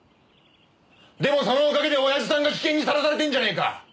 でもそのおかげでおやじさんが危険にさらされてんじゃねえか！